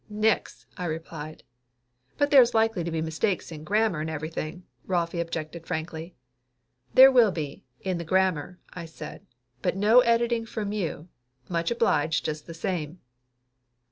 "Nix!" I replied. "But there's likely to be mistakes in grammar and everything!" Rolfie objected frankly. "There will be, in the grammar," I said. "But no editing from you, much obliged just the same!"